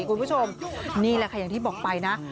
คุณผู้ชมนี่แหละค่ะอย่างที่บอกไปนะ